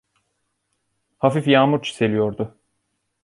Hafif yağmur çiseliyordu.